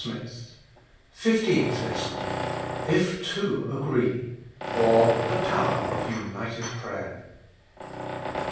ii6 FIFTEENTH I^ESSON. " If two agree ;or, The Power of United Prayer.